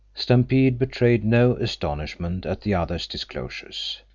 Stampede betrayed no astonishment at the other's disclosures.